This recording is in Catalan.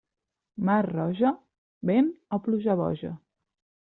Mar roja, vent o pluja boja.